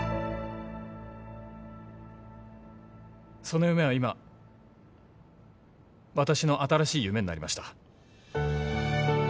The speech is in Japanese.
その夢は今私の新しい夢になりました